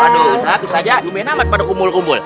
waduh ustadz tuh saja lumayan amat pada kumul kumul